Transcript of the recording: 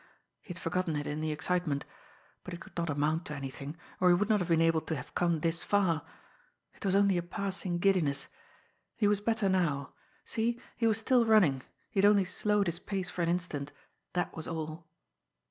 He had forgotten it in the excitement. But it could not amount to anything or he would not have been able to have come this far. It was only a passing giddiness he was better now see, he was still running he had only slowed his pace for an instant that was all.